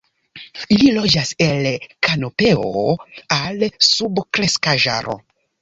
Ili loĝas el kanopeo al subkreskaĵaro.